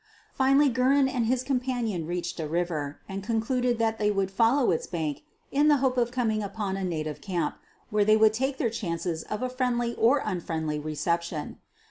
Finally, Guerin and his companion reached a river and concluded that they would follow its bank in the hope of coming upon a native camp, where they would take chances of a friendly or unfriendly re ception.